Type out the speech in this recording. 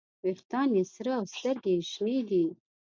ویښتان یې سره او سترګې یې شنې دي.